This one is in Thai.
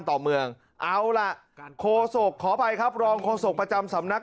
ต่อเมืองเอาล่ะโคศกขออภัยครับรองโฆษกประจำสำนัก